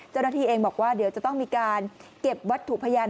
เจ้าหน้าที่เองบอกว่าเดี๋ยวจะต้องมีการเก็บวัตถุพยาน